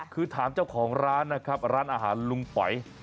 คือถามเจ้าของร้านนะครับร้านอาหารลุงป๋อย